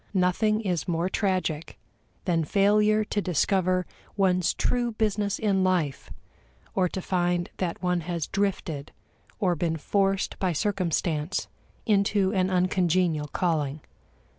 Nothing is more tragic than failure to discover one's true business in life, or to find that one has drifted or been forced by circumstance into an uncongenial calling.